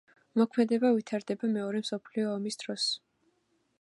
მოქმედება ვითარდება მეორე მსოფლიო ომის დროს.